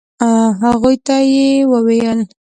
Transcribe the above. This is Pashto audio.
هغوی ته يې وويل.